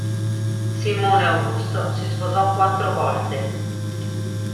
Simone Augusto si sposò quattro volte.